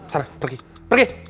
sana pergi pergi